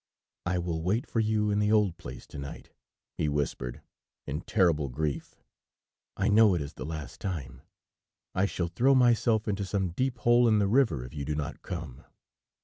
"I will wait for you in the old place to night," he whispered, in terrible grief. "I know it is the last time ... I shall throw myself into some deep hole in the river if you do not come!